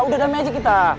udah damai aja kita